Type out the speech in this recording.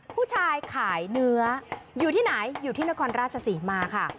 ผู้ชายขายเนื้ออยู่ที่ไหนอยู่ที่นครราชศรีมาค่ะ